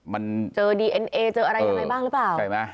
มันเจอดีเอ็นเอเจออะไรยังไงบ้างหรือเปล่าใช่ไหม